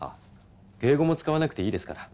敬語も使わなくていいですから。